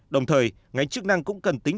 đồng thời ngành chức năng cũng cần tính